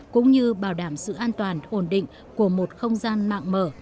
cũng như bảo đảm sự an toàn ổn định của một không gian mạng mở